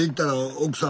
奥さん。